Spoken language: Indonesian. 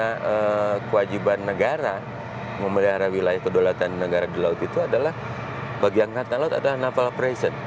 yang terakhir adalah kewajiban negara memelihara wilayah kedaulatan negara di laut itu adalah bagian angkatan laut adalah naval operation